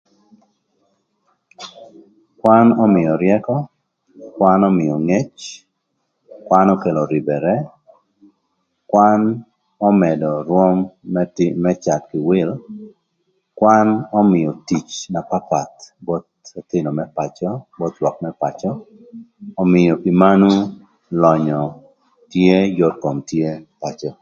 Kwan ömïö ryëkö, kwan ömïö ngec kwan okelo rïbërë kwan ömëdö rwöm më thïn më cath kï wïl kwan ömïö tic na papth both ëthïnö më pacö both lwak më pacö ömïö pï manön lönyö tye yot kom tye pacö.